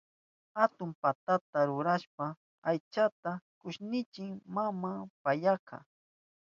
Atun patata rurashpan aychata kushnichin maman payaka.